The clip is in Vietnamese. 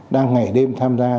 đang ngày đêm tham gia